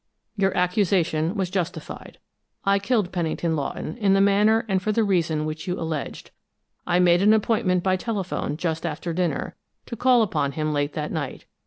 Your accusation was justified. I killed Pennington Lawton in the manner and for the reason which you alleged. I made an appointment by telephone just after dinner, to call upon him late that night.